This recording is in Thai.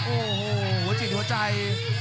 โอ้โหหัวจิตหัวใจ